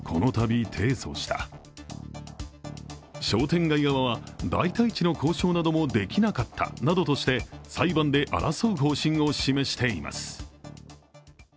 商店街側は、代替地の交渉などもできなかったなどとして裁判で争う方針を示しています。